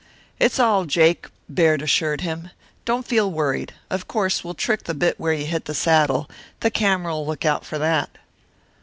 "It's all jake," Baird assured him. "Don't feel worried. Of course we'll trick the bit where you hit the saddle; the camera'll look out for that."